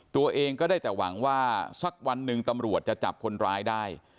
ตัวเองก็ได้แต่หวังว่าสักวันหนึ่งตำรวจจะจับคนร้ายได้